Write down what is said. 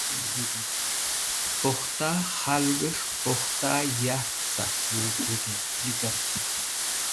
Pukhta khalgẽs̃h pukhta yark cart.